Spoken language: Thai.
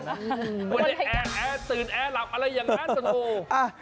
เพราะเร็วแอตื่นแอร์หลับอะไรอย่างนั้นกับโธ่